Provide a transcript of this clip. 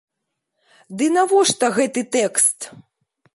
Ды навошта гэты тэкст?